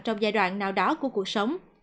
trong giai đoạn nào đó của cuộc sống